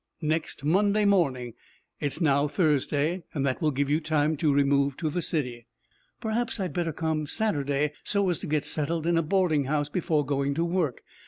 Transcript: "Next Monday morning. It is now Thursday, and that will give you time to remove to the city." "Perhaps I had better come Saturday, so as to get settled in a boarding house before going to work.